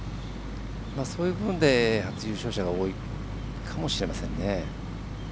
そういう部分で初優勝者が多いかもしれません。